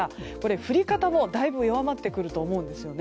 降り方もだいぶ弱まってくると思うんですよね。